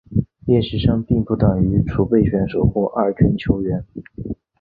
练习生并不等于储备选手或二军球员。